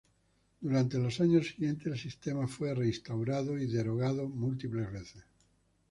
Durante los años siguientes, el sistema fue reinstaurado y derogado múltiples veces.